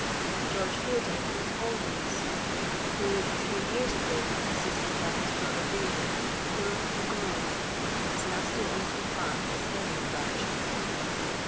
George Fielding was all these, who, a few years ago, assisted by his brother William, filled "The Grove" as nasty a little farm as any in Berkshire.